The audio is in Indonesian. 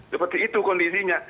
seperti itu kondisinya